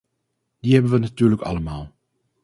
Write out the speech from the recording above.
Die hebben we natuurlijk allemaal.